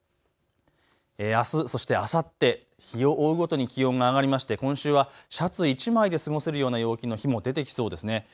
あす、そしてあさって、日を追うごとに気温が上がりまして今週はシャツ１枚で過ごせるような陽気の日も出てきそうですね。